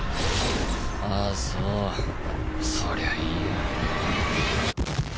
あそうそりゃいいや。